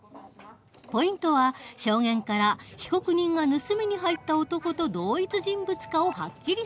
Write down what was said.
ポイントは証言から被告人が盗みに入った男と同一人物かをはっきりさせる事。